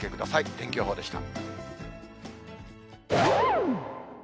天気予報でした。